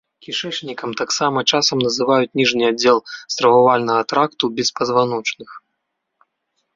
Кішэчнікам таксама часам называюць ніжні аддзел стрававальнага тракту беспазваночных.